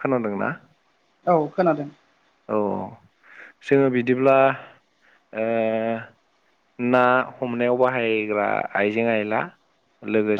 खोनादों ना? औ खोनादों। औ जोङो बिदिब्ला ओ ना हमनायाव बाहायग्रा आइजें आइला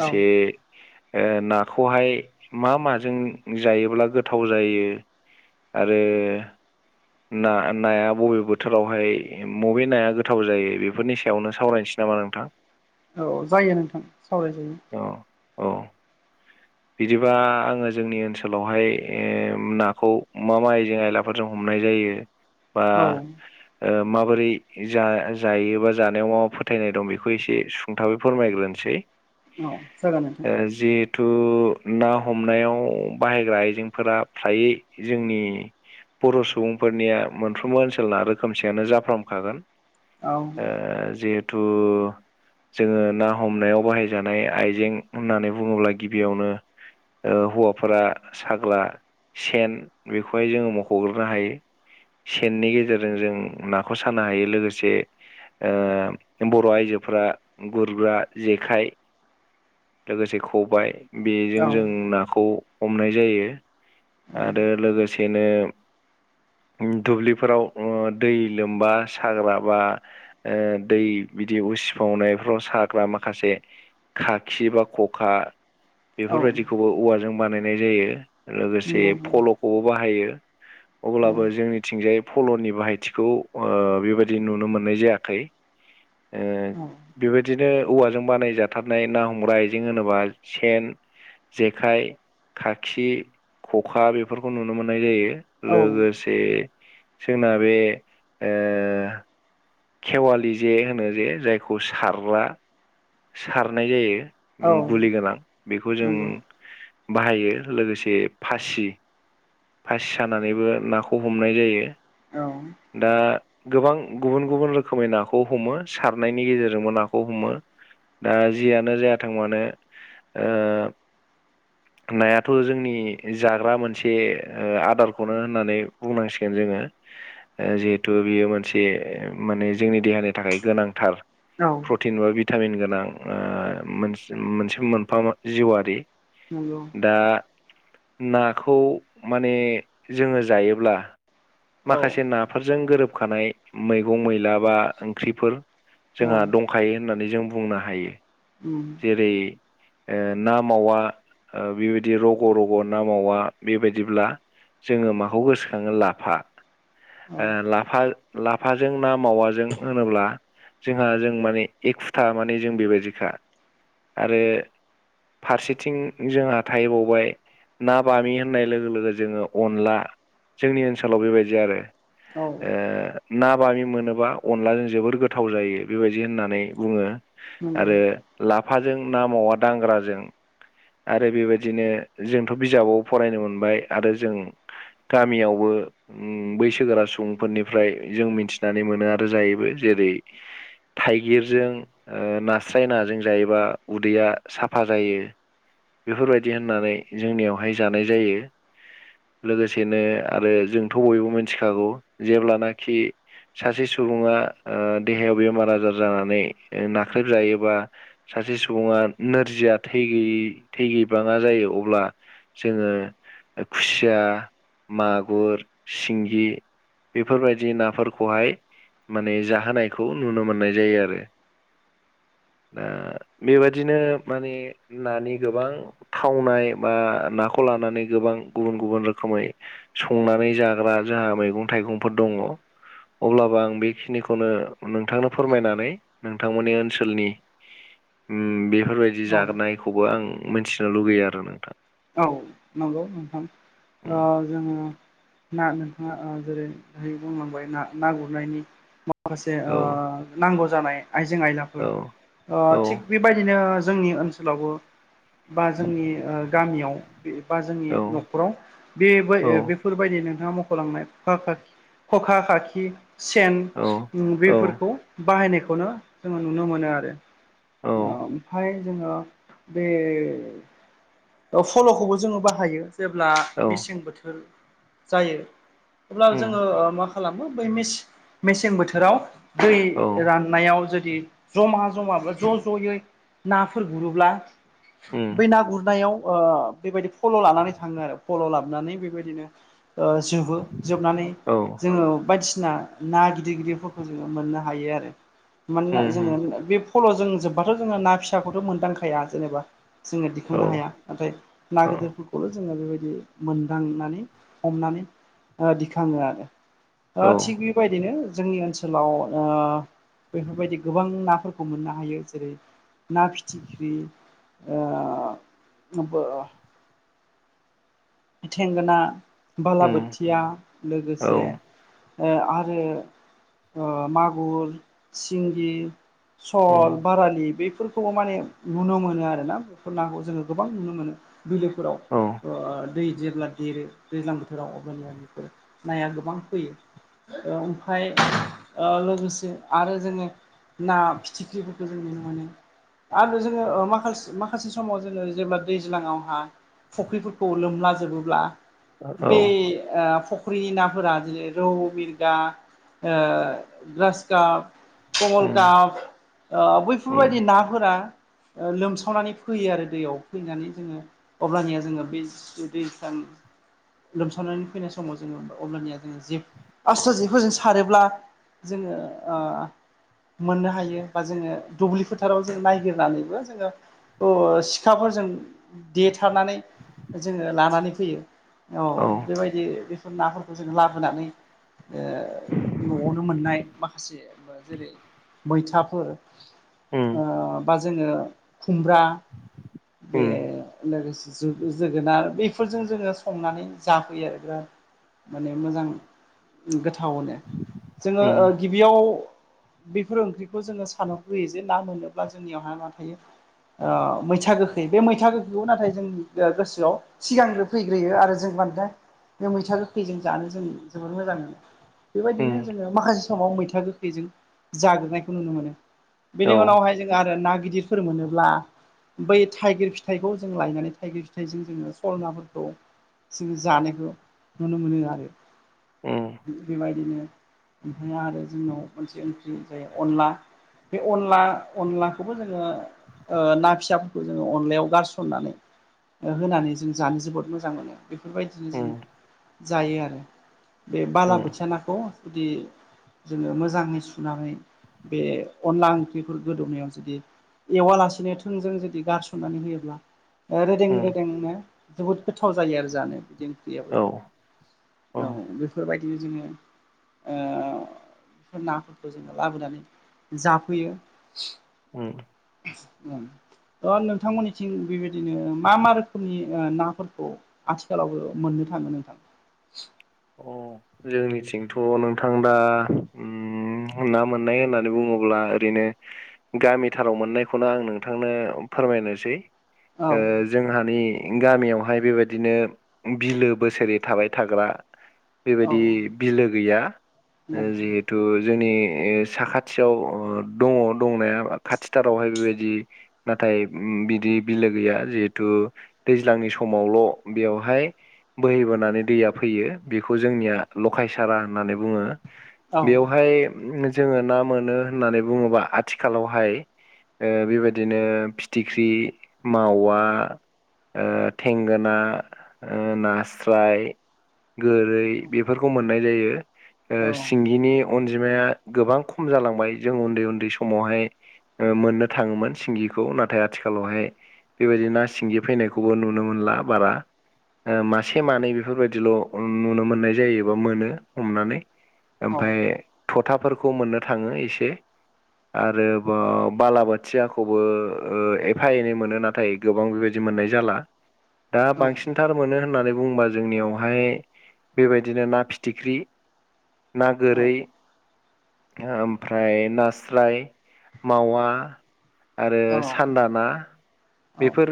औ नाखौहाय मा माजों जायोब्ला गोथाव जायो आरो ना नाया बबे बोथोरावहाय मबे नाया गोथाव जायो बेफोरनि सायावनो सावरायनोसै नामा नोंथां? औ जायो नोंथां सावरायजायो। औ औ बिदिबा आङो जोंनि ओनसोलावहाय ओ नाखौ मा मा आयजें आयला फोरजों हमनाय जायो बा औ ओ माबोरै जा जायोबा जानायाव मा मा फोथायनाय दं बेखौ एसे सुंथाबै फोरमायग्रोनोसै। न जागोन ओ जिहेथु ना हमनायाव बाहायग्रा आइजेंफोरा फ्रायै जोंनि बर' सुबुंफोरनिया मोनफ्रोमबो ओनसोलना रोखोमसेयानो जाफ्रामखागोन औ खागोन। ओ जिहेथु जोङो ना हमनायाव बाहाय जानाय आइजें होननानै बुङोब्ला गिबियावनो ओ हौवाफोरा साग्रा सेन बेखौहाय जोङो मख'ग्रोनो हायो। सेननि गेजेरजों जों नाखौ सानो हायो लोगोसे ओ बर' आइजोफोरा गुरग्रा जेखाइ लोगोसे खबाय बेजों जों नाखौ हमनाय जायो आरो लोगोसेनो दुब्लिफोराव ओ दै लोमबा साग्रा बा दै बिदि उसिफावनायफ्राव साग्रा माखासे खाखि बा खखा बेफोरबायदिखौबो औवाजों बानायनाय जायो। लोगोसे फल'खौबो बाहायो अब्लाबो जोंनिथिंजाय फल'नि बाहायथिखौ ओ बेबायदि नुनो मोननाय जायाखै। ओ बेबायदिनो औवाजों बानायजा थारनाय ना हमग्रा आइजें होनोबा सेन जेखाय खाखि खखा बेफोरखौ नुनो मोननाय जायो। औ लोगो से जोंना बे ओ खेवालि जे होनो जे जायखौ सारग्रा सारनाय औ जायो गुलि गोनां बेखौ जों नंगौ नंगौ बाहायो लोगोसे फासि फासि सानानैबो नाखौ हमनाय जायो। औ औ नंगौ दा गोबां गुबुन गुबुन रोखोमै नाखौ हमो सारनायनि गेजेरजोंबो नाखौ हमो। दा जियानो जायाथों मानो ओ नायाथ' जोंनि जाग्रा मोनसे ओ आदारखौनो होननानै बुंनांसिगोन जोङो। ओ जिहेथु बेयो मोनसे माने जोंनि देहानि थाखाय गोनांथार। औ। औ प्रटिन बा भिटामिन गोनां ओ मोनसे मोनसे मोनफा जिउआरारि। नोंगौ। दा नाखौ माने जोङो जायोब्ला औ माखासे नाफोरजों गोरोबखानाय मैगं मैला बा ओंख्रिफोर जोंहा दंखायो होननानै जों बुंनो हायो उम जेरै ओ ना मावा बेबायदि रग' रग' ना मावा बेबायदिब्ला जोङो माखौ गोसोखाङो लाफा औ ओ लाफा लाफाजों ना मावाजों होनोब्ला जोंहा जों माने एखुथा माने जों बेबायदिखा आरो फारसेथिं जोंहा थाहैबावबाय ना बामि होननाय लोगो लोगो जोङो अनला जोंनि ओनसोलाव बेबायदि आरो। औ ओ। ना बामि मोनोबा अनलाजों जोबोर गोथाव जायो बेबायदि होननानै बुङो। नंगौ आरो लाफाजों ना मावा दांग्राजों आरो बेबायदिनो जोंथ' बिजाबाव फरायनो मोनबाय आरो जों गामियावबो उम बैसोगोरा सुबुंफोरनिफ्राय जों मिनथिनानै मोनो आरो जायोबो जेरै थाइगिरजों ओ नास्राय नाजों जायोबा उदैया साफा जायो। बेफोरबायदि होननानै जोंनियावहाय जानाय जायो। लोगोसेनो आरो जोंथ' बयबो मोनथिखागौ जेब्लानाखि सासे सुबुङा ओ देहायाव बेमार आजार जानानै नाख्रेबजायोबा सासे सुबुङा नोरजिया थै गैयि थै गैबाङा जायो अब्ला जोङो ओ खुसिया मागुर सिंगि बेफोरबायदि नाफोरखौहाय माने जाहोनायखौ नुनो मोननाय जायो आरो दा बेबादिनो माने नानि गोबां थावनाय बा नाखौ लानानै गोबां गुबुन गुबुन रोखोमै संनानै जाग्रा जोंहा मैगं थाइगंफोर दङ अब्लाबो आं बेखिनिखौनो नोंथांनो फोरमायनानै नोंथांमोननि ओनसोलनि बेफोरबायदि औ जाहोनायखौबो आं मोनथिनो लुबैयो आरो नोंथां। औ नंगौ नोंथां उम ओ जोङो ना नोंथाङा ओ जेरै हाय बुंलांबाय ना ना गुरनायनि माखासे औ ओ नांगौ जानाय आइजें औ आयलाफोर ओ थिग बेबायदिनो जोंनि ओनसोलावबो बा जोंनि ओ गामियाव बा जोंनि औ नख न'खराव बेबा औ ओ बेफोरबायदि नोंथाङा मख'लांनाय खखा खाखि खखा खाखि सेन औ उम औ बैफोरखौ बाहायनायखौनो जोङो नुनो मोनो आरो। औ ओमफ्राय जोङो बे ओ फल'खौबो जोङो बाहायो जेब्ला औ मेसें बोथोर जायो। अब्ला उम जोङो ओ मा खालामो बै मेस-मेसें बोथोराव दै औ राननायाव जुदि जमा जमा बा ज' ज'यै नाफोर गुरोब्ला उम बै ना गुरनायाव ओ बेबायदि फल' लानानै थाङो आरो फल' लाबनानै बेबायदिनो ओ जोबो जोबनानै औ। जोङो बायदिसिना ना गिदिर गिदिरफोरखौ जोङो मोननो हायो आरो। मानोना उम जोङो उम बे फल' जों जोब्बाथ' जोङो ना फिसाखौथ' मोनदांखाया जेनेबा जोङो औ दिखांनो हाया नाथाय ना औ गोदोरफोरखौल' जोङो बेबायदि मोनदांनानै हमनानै ओ दिखाङो आरो औ थिग बे बेफोरबायदिनो जोंनि ओनसोलाव ओ बेफोरबायदि गोबां नाफोरखौ मोननो हायो जेरै ना फिथिख्रि ओह नब्बो ओ थेंगोना उम बालाबोथिया औ लोगोसे ओ आरो ओ मागुर सिंगि उम सल बारालि बेफोरखौबो माने नुनो मोनो आरोना बेफोर नाखौ जोङो गोबां नुनो मोनो बिलोफोराव औ ओ दै जेब्ला देरो दैज्लां बोथोराव अब्लानिया बेफोर नाया गोबां फैयो। ओमफफ्राय ओ लोगोसे आरो जोङो ना फिथिख्रिफोरखौ जों नुनो मोनो। आरो जोङो ओ माखसे माखासे समाव जोङो जेब्ला दैज्लाङावहा फुख्रिफोरखौ खुलुमला जोबोब्ला औ बे फुख्रिनि नाफोरा जेरै रौ बिरगा ओ ग्रास काप उम कमलकाप ओ उम बैफोरबायदि नाफोरा ओ लोमसावनानै फैयो आरो दैयाव फैनानै जोङो अब्लानिया जोङो बे उदै सां लोमसावानानै फैनाय समाव जोङो अब्लानिया जोङो जिब आस्रा जिबखौ जों सारोब्ला जोङो ओ मोननो हायो बा जोङो दुब्लि फोथाराव जों नायगिरनानैबो जोङो अ सिखाफोरजों देथारनानै जोङो लानानै फैयो औ बेबायदि बेफोर नाफोरखौ जोङो लाबोनानै ओ न'आवनो मोननाय माखासे जेरै मैथाफोर उम ओ बा जोङो खुमब्रा बे उम लोगोसे जोगोनार बेफोरजों जोङो संनानै जाफैयो आरो बिराद माने मोजां गोथावनो जोङो उम ओ गि बेयाव बेफोर ओंख्रिखौ जोङो साननो लयो जे ना मोनोब्ला जोंनियाव ना ना थायो ओ मैथा गोखै बे मैथा गोखैखौ नाथाय जोंनि ओ गोसोआव सिगांग्रो फैग्रोयो आरो जों मा होनो नोंथां बे मैथा गोखैजों जानो जों जोबोर मोजां मोनो उम बेबायदिनो जोङो माखासे समाव मैथा गोखैजों जाग्रोनायखौ नुनो मोनो औ बेनि उनावहाय जोङो आरो ना गिदिर फोर मोनोब्ला बै थाइगिर फिथाइखौ जों लायनानै थाइगिर थायाइजों जोङो सल नाफोरखौ जङो जानायखौ नुनो मोनो आरो उम बेबायदिनो ओमफ्राय आरो जोंनाव मोनसे ओंख्रि जायो अनला बे अनला अनलाखौबो जोङो ओ ना फिसाफोरखौ जोङो अनलायाव गारसननानै ओ होनानै जों जानो जोबोद मोजां मोनो बेफोरबायदिनो उम जोङो जायो आरो बे उम बालाबोथिया नाखौ जुदि जोङो मोजाङै सुनानै बे अनला ओंख्रिफोर गोदौनायाव जुदि एवालासेनो थोंजों जुदि गारसननानै होयोब्ला ओ उम रोदोंनो जोबोद गोथाव जायो आरो जानो बिदि ओंख्रियाबो औ औ बेफोरबायदिनो जोङो ओ बेफोर नाफोरखौ जोङो लाबोनानै जाफैयो। उम ओ नोंथांमोननिथिं बेबायदिनो मा मा रोखोमनि ओ नाफोरखौ आथिखालाव मोननो थाङो नोंथां अ जोंनिथिंथ' नोंथां दा उम ना मोननाय होननानै बुङोब्ला ओरैनो गामिथाराव मोननायखौनो आं नोंथांनो फोरमायनोसै औ ओ जोंहानि गामियावहाय बेबायदिनो बिलो बोसोरै थाबाय थाग्रा औ बेबायदि बिलो गैया नंगौ जिहे थु जोंनि ओ साखाथियाव अ' दङ दंनाया खाथिथारावहाय बेबायदि नाथाय उम बिदि बिलो गैया जिहेथु दैज्लांनि समावल' बेवहाय बोहैबोनानै दैया फैयो। बेखौ जोंनिया लखायसारा होननानै बुङो। औ बेवहाय जोङो ना मोनो होननानै बुङोबा आथिखालावहाय ओ बेबायदिनो फिथिख्रि, मावा ओ थेंगोना, ओ नास्राय गोरै बेफोरखौ मोननाय जायो ओ औ सिंगिनि अनजिमाया गोबां खम जालांबाय। जों उन्दै उन्दै समावहाय ओ मोननो थाङोमोन सिंगिखौ नाथाय आथिखालावहाय बेबायदि ना सिंगि फैनायखौबो नुनो मोनला बारा ओ मासे मानै बेफोरबायदिल' नुनो मोननाय जायोबा मोनो हमनानै। औ ओमफ्राय थथाफोरखौ मोननो थाङो एसे। आरो बाव बालाबाथियाखौबो ओ एफा एनै मोनो नाथाय गोबां बेबायदि मोननाय जाला। [inaudible] दा बांसिनथार मोनो होननानै बुंङोबा जोंनियावहाय बेबायदिनो ना फिथिख्रि, ना गोरै ओमफ्राय नास्राय, मावा आरो औ सान्दाना औ बेफोर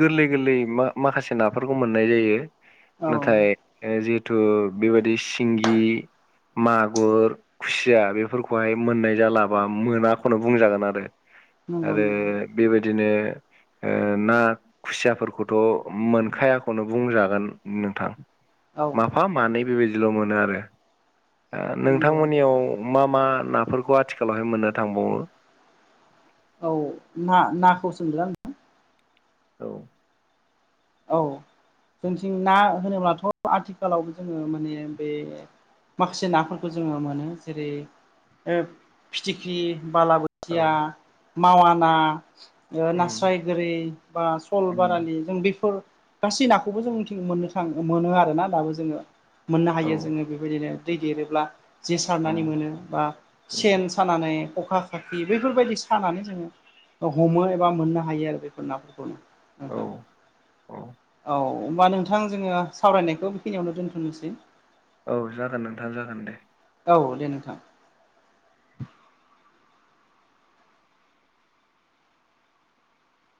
गोरलै- गोरलै मा- माखासे नाफोरखौ मोननाय जायो। औ नाथाय जिहेतु बेबायादि सिंगि मागुर खुसिया बेफोरखौहाय मोननाय जाला बा मोनाखौनो बुंजागोन आरो। नंगौ आरो नंगौ बेबायदिनो ओ ना खुसियाफोरखौथ' मोनखायाखौनो बुंजागोन नोंथां। औ माफा मानै बेबायदिल' मोनो आरो दा नंगौ नोंथांमोननियाव - मा मा नाफोरखौ आथिखालावहाय मोननो थांबावो? औ ना नाखौ सोंदों आं। औ औ जोंथिं ना होनोब्लाथ' आथिखालावबो जोङो माने बे माखासे नाफोरखौ जोङो मोनो जेरै- ओ फिथिख्रि, बालाबो थिया, मावाना ओ उम नास्राय गोरि बा स'ल उम बारालि जों बे फोर गासै नाखौबो जों मिथि मोननो थाङो मोनो आरोना दाबो जोङो। मोननो औ हायो जोङो बेबायदिनो दै देरोब्ला। जे औ सारनानै मोनो बा उम सेन सानानै, खखा खाखि बैफोरबायदि सानानै जोङो हमो एबा मोननो हायो आरो बेफोर नाफोरखौनो। औ नोंथां। औ औ होमबा नोंथां जोङो सावरायनायखौ बेखिनियावनो दोन्थनोसै। औ जागोन नोंथां जागोन दे। औ दे नोंथां।